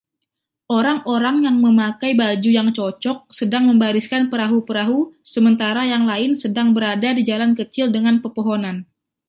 Orang-orang yang memakai baju yang cocok sedang membariskan perahu-perahu sementara yang lain sedang berada di jalan kecil dengan pepohonan.